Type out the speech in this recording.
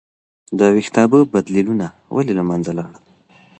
د ویښتابه بدلیلونه ولې له منځه لاړل؟